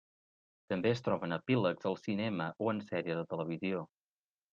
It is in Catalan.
També es troben epílegs al cinema o en sèries de televisió.